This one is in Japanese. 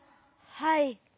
はい。